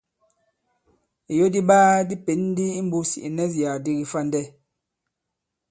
Ìyo di iɓaa di pěn ndi i mbūs ì ìnɛsyàk di kifandɛ.